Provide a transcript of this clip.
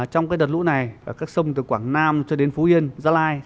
trong đợt lũ này các sông từ quảng nam cho đến phú yên gia lai